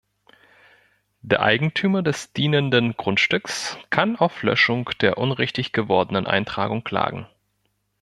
Der Eigentümer des dienenden Grundstücks kann auf Löschung der unrichtig gewordenen Eintragung klagen.